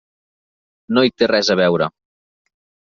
No hi té res a veure.